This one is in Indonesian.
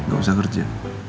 gak usah kerja